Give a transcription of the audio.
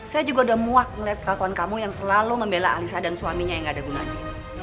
saya juga udah muak ngeliat ke kawan kamu yang selalu membela alisa dan suaminya yang gak ada gunanya